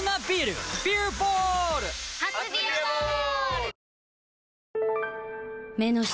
初「ビアボール」！